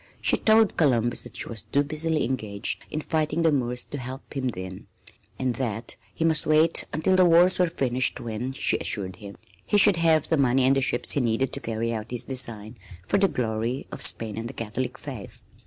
She told Columbus that she was too busily engaged in fighting the Moors to help him then and that he must wait until the wars were finished when, she assured him, he should have the money and ships he needed to carry out his design for the glory of Spain and the Catholic faith.